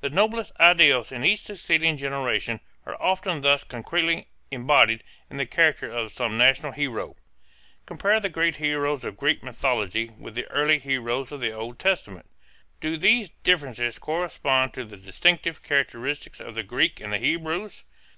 The noblest ideals in each succeeding generation are often thus concretely embodied in the character of some national hero. Compare the great heroes of Greek mythology with the early heroes of the Old Testament. Do these differences correspond to the distinctive characteristics of the Greeks and the Hebrews?